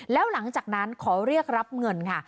แล้วหลังจากนั้นขอเรียกรับเงินค่ะ